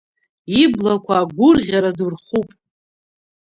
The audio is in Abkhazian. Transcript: Иблақәа агәырӷьара ду рхуп.